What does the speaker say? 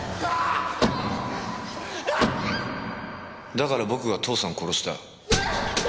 だから僕が父さん殺した。